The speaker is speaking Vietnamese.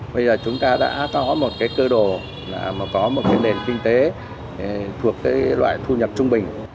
bây giờ chúng ta đã tỏ một cơ đồ có một nền kinh tế thuộc loại thu nhập trung bình